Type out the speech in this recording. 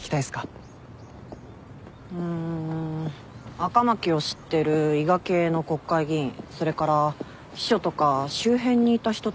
赤巻を知ってる伊賀系の国会議員それから秘書とか周辺にいた人たちかな。